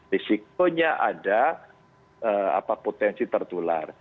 risikonya ada potensi tertular